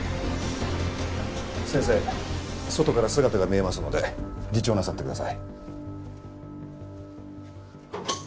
先生外から姿が見えますので自重なさってください。